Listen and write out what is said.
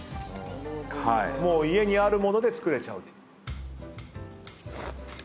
もう家にある物で作れちゃう。